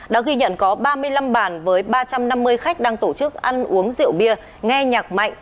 đã ghi nhận có ba mươi năm bàn với ba trăm năm mươi khách đang tổ chức ăn uống rượu bia nghe nhạc mạnh